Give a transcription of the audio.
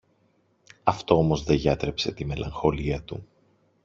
Αυτό όμως δε γιάτρεψε τη μελαγχολία του.